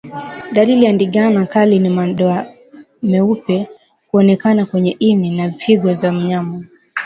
Dalili ya ndigana kali ni madoa meupe kuonekana kwenye ini na figo za mnyama